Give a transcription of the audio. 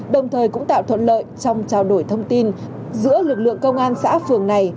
đồng thời cũng tạo thuận lợi trong trao đổi thông tin giữa lực lượng công an xã phường này